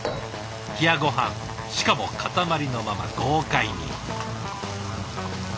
冷やごはんしかも塊のまま豪快に。